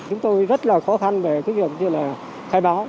chúng tôi rất là khó khăn về thực hiện cái là khai báo